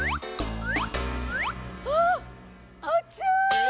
あっあちゃ！